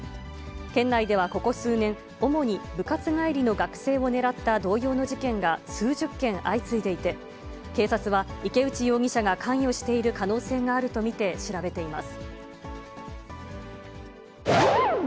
県内ではここ数年、主に部活帰りの学生を狙った同様の事件が、数十件相次いでいて、警察は池内容疑者が関与している可能性があると見て調べています。